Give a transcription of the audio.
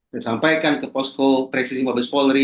saya sampaikan ke posko presisi mabes polri